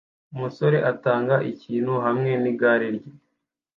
Umusore atanga ikintu hamwe nigare rye